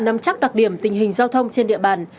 nắm chắc đặc điểm tình hình giao thông trên địa bàn